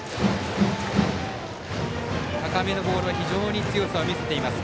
高めのボールには非常に強さを見せています